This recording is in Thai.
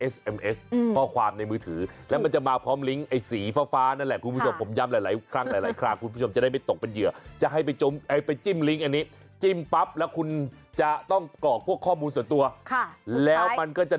สุดท้ายนะครับคือเรื่องของเรื่อง